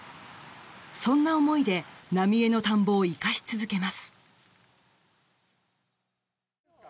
そんな思いで浪江の田んぼを生かし続けます。